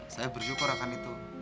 saya merasa kurang itu